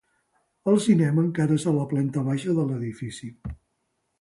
El cinema encara és a la planta baixa de l'edifici.